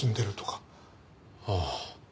ああ。